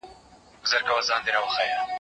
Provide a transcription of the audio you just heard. زه هره ورځ د کتابتون کتابونه لوستل کوم.